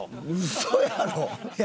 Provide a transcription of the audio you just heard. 嘘やろ？